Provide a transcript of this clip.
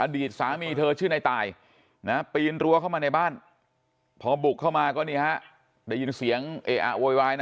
อดีตสามีเธอชื่อในตายนะปีนรั้วเข้ามาในบ้านพอบุกเข้ามาก็นี่ฮะได้ยินเสียงเออะโวยวายนะ